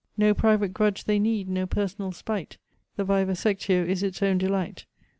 "No private grudge they need, no personal spite The viva sectio is its own delight!